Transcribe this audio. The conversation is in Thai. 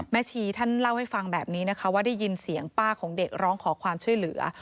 ชีท่านเล่าให้ฟังแบบนี้นะคะว่าได้ยินเสียงป้าของเด็กร้องขอความช่วยเหลือ